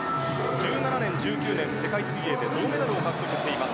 １７年、１９年の世界水泳で銅メダルを獲得しています